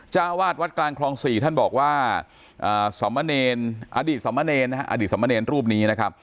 จ้าวาสวัดกลางคลองสี่ท่านบอกว่าสมเนรอดีตสมเนรรูปนี้